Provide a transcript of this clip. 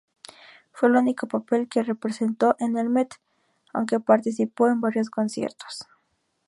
Fue el unico papel que representó en el Met, aunque partició en varios conciertos.